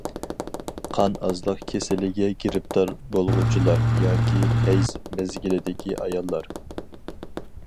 قان ئازلىق كېسىلىگە گىرىپتار بولغۇچىلار ياكى ھەيز مەزگىلىدىكى ئاياللار.